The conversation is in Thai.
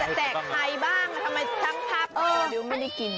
แต่แจกใครบ้างทำไมชั้นพาโปรดิวไม่ได้กิน